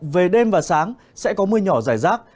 về đêm và sáng sẽ có mưa nhỏ rải rác